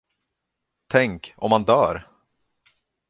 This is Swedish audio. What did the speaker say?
Tänk, om han dör!